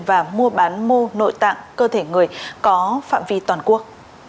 và mua bán mô nội tạng cơ thể người có phạm vi toàn quốc